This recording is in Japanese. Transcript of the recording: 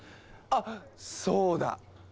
あっそうだ！